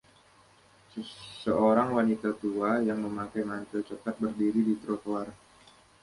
Seorang wanita tua yang memakai mantel coklat berdiri di trotoar